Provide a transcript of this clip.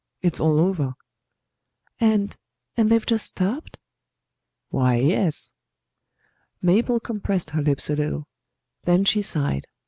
It's all over." "And and they've just stopped?" "Why, yes." Mabel compressed her lips a little; then she sighed.